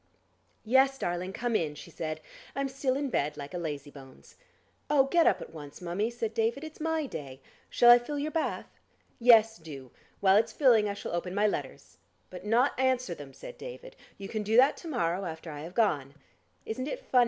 "Yes, darling, come in," she said. "I'm still in bed like a lazy bones." "Oh, get up at once, mummie," said David. "It's my day. Shall I fill your bath?" "Yes, do. While it's filling I shall open my letters." "But not answer them," said David. "You can do that to morrow after I have gone. Isn't it funny?